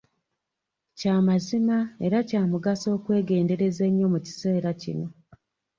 Kya mazima era kya mugaso okwegendereza ennyo mu kiseera kino.